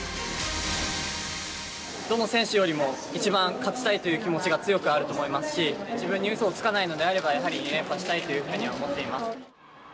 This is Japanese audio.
どの選手よりも一番勝ちたいという気持ちが強くあると思いますし自分にうそをつかないのであればやはり２連覇したいというふうには思っています。